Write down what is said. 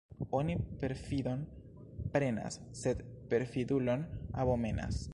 Oni perfidon prenas, sed perfidulon abomenas.